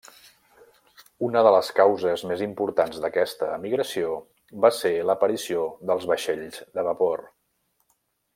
Una de les causes més importants d'aquesta emigració va ser l'aparició dels vaixells de vapor.